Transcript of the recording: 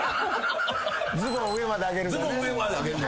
ズボン上まで上げるの。